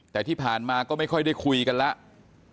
แต่ที่ผ่านมาก็ไม่ค่อยได้คุยกันแล้ว